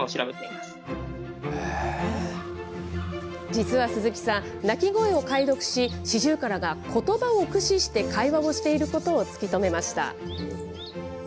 実は鈴木さん、鳴き声を解読し、シジュウカラがことばを駆使して会話をしていることを突き止めました。